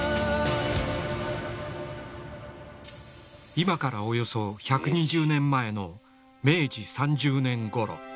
今からおよそ１２０年前の明治３０年ごろ。